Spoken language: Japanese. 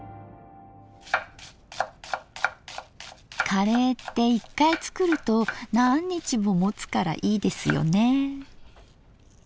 カレーって１回作ると何日ももつからいいですよね。